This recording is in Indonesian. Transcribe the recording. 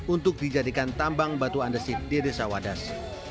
untuk dijadikan tambang batuan desit di desa wadas